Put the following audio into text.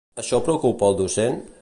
Això preocupa al docent?